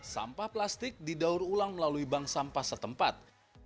sampah plastik didaur ulang melalui bank sampah setempat